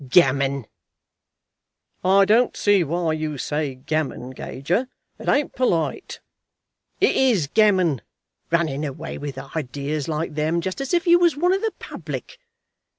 "Gammon." "I don't see why you say gammon, Gager. It ain't polite." "It is gammon, running away with ideas like them, just as if you was one of the public.